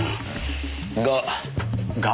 が。が？